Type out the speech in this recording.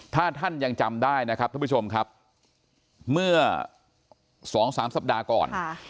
ถ้าท่านยังจำได้นะครับท่านผู้ชมครับเมื่อ๒๓สัปดาห์ก่อน